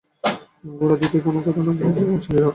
গোরা দ্বিতীয় কোনো কথা না বলিয়া ধীরগমনে চলিয়া গেল।